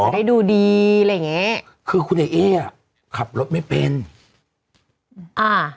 ได้ดูดีอะไรอย่างเงี้คือคุณไอ้เอ๊อ่ะขับรถไม่เป็นอ่า